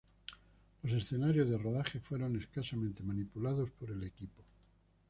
Los escenarios de rodaje fueron escasamente manipulados por el equipo.